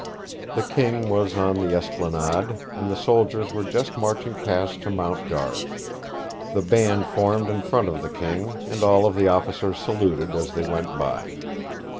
The King was on the Esplanade, and the soldiers were just marching past to mount guard. The band formed in front of the King, and all the officers saluted as they went by.